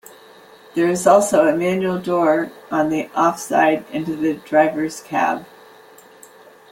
There is also a manual door on the offside into the driver's cab.